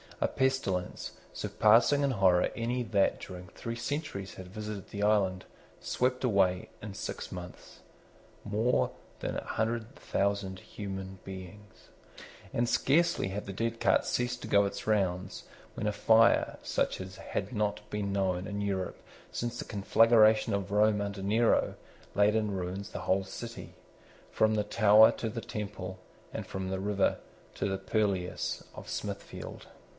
A pestilence, surpassing in horror any that during three centuries had visited the island, swept away, in six mouths, more than a hundred thousand human beings. And scarcely had the dead cart ceased to go its rounds, when a fire, such as had not been known in Europe since the conflagration of Rome under Nero, laid in ruins the whole city, from the Tower to the Temple, and from the river to the purlieus of Smithfield.